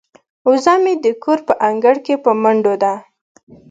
وزه مې د کور په انګړ کې په منډو ده.